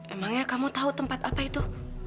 emangnya kamu tahu tempat apa itu